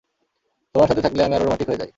তোমার সাথে থাকলে আমি আরো রোমান্টিক হয়ে যাই!